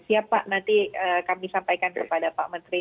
siap pak nanti kami sampaikan kepada pak menteri